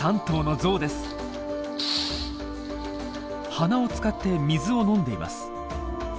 鼻を使って水を飲んでいます。